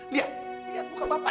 lihat muka bapak